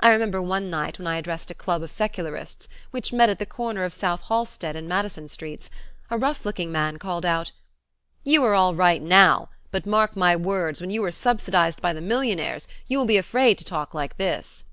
I remember one night when I addressed a club of secularists, which met at the corner of South Halsted and Madison streets, a rough looking man called out: "You are all right now, but, mark my words, when you are subsidized by the millionaires, you will be afraid to talk like this."